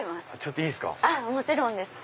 もちろんです。